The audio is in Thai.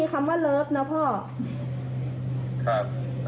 ครับ